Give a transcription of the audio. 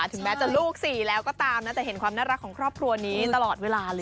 ถึงแม้จะลูกสี่แล้วก็ตามนะแต่เห็นความน่ารักของครอบครัวนี้ตลอดเวลาเลย